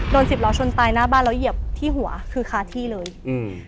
สิบล้อชนตายหน้าบ้านแล้วเหยียบที่หัวคือคาที่เลยอืม